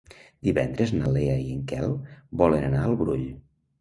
Divendres na Lea i en Quel volen anar al Brull.